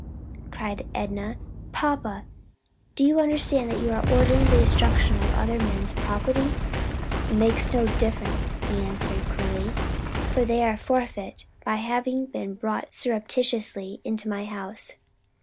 cried Enna. "Papa, do you understand that you are ordering the destruction of other men's property?" "It makes no difference," he answered coolly, "they are forfeit by having been brought surreptitiously into my house.